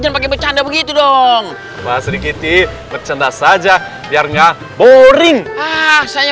lagi lagi becanda begitu dong sedikit di bercanda saja biar nggak boring saya